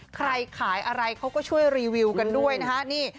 ใครขายอะไรเขาก็ช่วยรีวิวกันด้วยนะฮะนี่